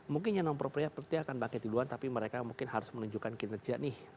mungkin yang non propernya pasti akan bangkit duluan tapi mereka mungkin harus menunjukkan kinerja nih